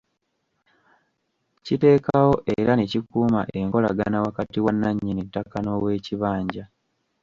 Kiteekawo era ne kikuuma enkolagana wakati wa nannyini ttaka n’oweekibanja.